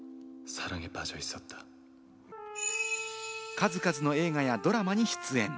数々の映画やドラマに出演。